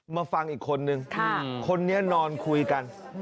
มาฟังอีกคนนึงคนนี้นอนคุยกัน